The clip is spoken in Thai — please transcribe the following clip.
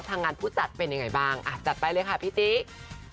งานผู้จัดเป็นยังไงบ้างอ่ะจัดไปเลยค่ะพี่ติ๊ก